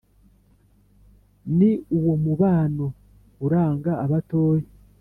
Ni uwo mubano uranga abatoya